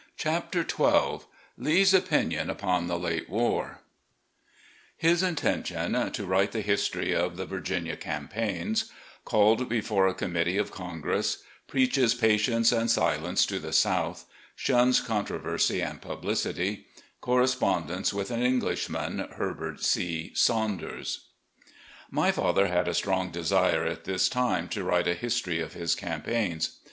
CHAPTER XII Lee's Opinion Upon the Late War HIS INTENTION TO WRITE THE HISTORY OF HIS VIR GINIA CAMPAIGNS — CALLED BEFORE A COMMITTEE OF CONGRESS — ^PREACHES PATIENCE AND SILENCE TO THE SOUTH — SHUNS CONTROVERSY AND PUBLICITY — CORRESPONDENCE WITH AN ENGLISHMAN, HERBERT C. SAUNDERS My father had a strong desire at this time to write a history of his campaigns.